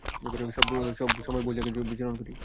সবসময় ভুল জায়গাগুলোতেই বিচরণ করি!